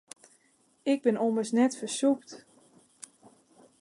Ik bin ommers net fersûpt.